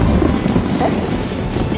えっ？